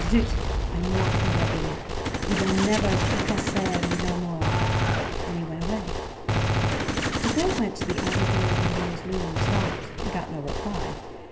Zut! I mock me of 'im! 'E vill never tracasser me no more." And he went away. The girl went to the outer door of Rameau's rooms, knocked, and got no reply.